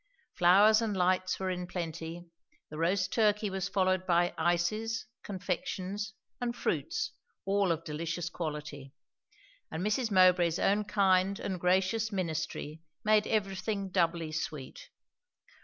Flowers and lights were in plenty; the roast turkey was followed by ices, confections and fruits, all of delicious quality; and Mrs. Mowbray's own kind and gracious ministry made everything doubly sweet.